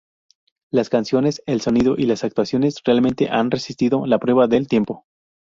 Las canciones, el sonido y las actuaciones realmente han resistido la prueba del tiempo".